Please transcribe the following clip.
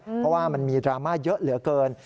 เพราะว่ามันมีดราม่าเยอะเหลือเกิน